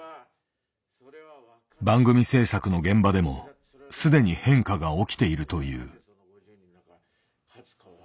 番組制作の現場でも既に変化が起きているという。